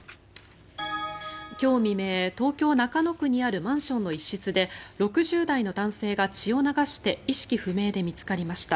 今日未明、東京・中野区にあるマンションの一室で６０代の男性が血を流して意識不明で見つかりました。